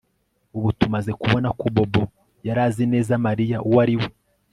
Ubu tumaze kubona ko Bobo yari azi neza Mariya uwo ari we